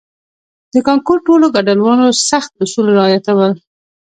د کانکور ټولو ګډونوالو سخت اصول رعایتول.